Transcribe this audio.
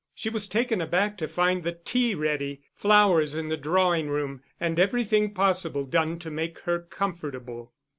She was taken aback to find the tea ready, flowers in the drawing room, and everything possible done to make her comfortable.